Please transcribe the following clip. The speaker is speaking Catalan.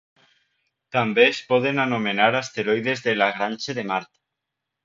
També es poden anomenar asteroides de Lagrange de Mart.